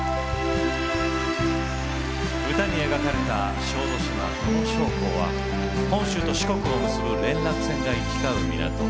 歌に描かれた小豆島土庄港は本州と四国を結ぶ連絡船が行き交う港。